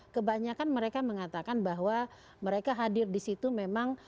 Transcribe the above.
kebanyakan mereka mengatakan bahwa mereka hadir di situ memang